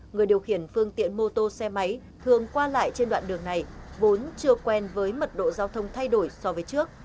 người điều khiển phương tiện mô tô xe máy thường qua lại trên đoạn đường này vốn chưa quen với mật độ giao thông thay đổi so với trước